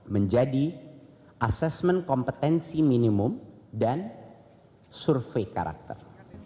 menjadi asesmen kompetensi minimum dan survei karakter